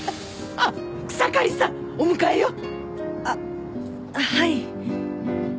あっはい。